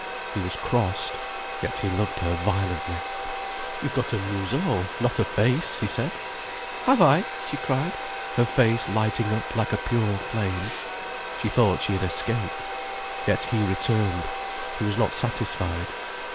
He was crossed, yet he loved her violently. "You've got a museau, not a face," he said. "Have I?" she cried, her face lighting up like a pure flame. She thought she had escaped. Yet he returned—he was not satisfied.